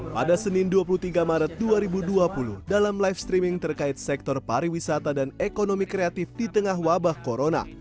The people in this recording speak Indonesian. pada senin dua puluh tiga maret dua ribu dua puluh dalam live streaming terkait sektor pariwisata dan ekonomi kreatif di tengah wabah corona